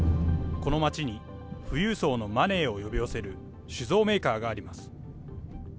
この町に、富裕層のマネーを呼び寄せる酒造メーカーがあります。